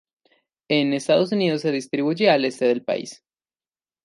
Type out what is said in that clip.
En los Estados Unidos se distribuye al este del país.